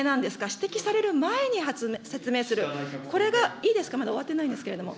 指摘される前に説明する、これが、いいですか、まだ終わってないんですけれども。